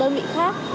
đến đơn vị khác